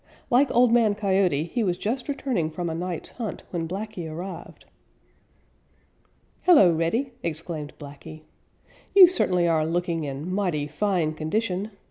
Like Old Man Coyote, he was just returning from a night's hunt when Blacky arrived. "Hello, Reddy!" exclaimed Blacky. "You certainly are looking in mighty fine condition.